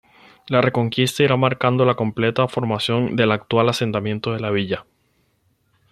La Reconquista irá marcando la completa formación del actual asentamiento de la Villa.